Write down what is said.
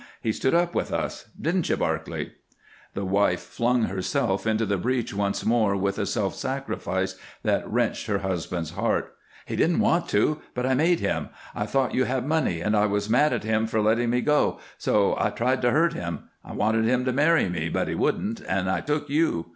He stood up with us. Didn't you, Barclay?" The wife flung herself into the breach once more with a self sacrifice that wrenched her husband's heart. "He didn't want to, but I made him. I thought you had money, and I was mad at him for letting me go, so I tried to hurt him. I wanted him to marry me, but he wouldn't, and I took you.